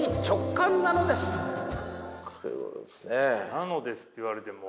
「なのです」って言われても。